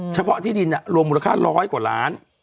เฉพาะที่ดินรวมมูลค่าร้อยกว่าล้าน